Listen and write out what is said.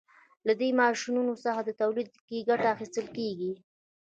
له دې ماشینونو څخه په تولید کې ګټه اخیستل کیږي.